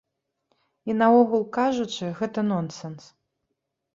І наогул кажучы, гэта нонсэнс.